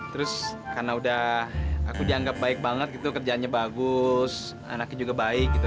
terus karena udah aku dianggap baik banget gitu kerjanya bagus anaknya juga baik gitu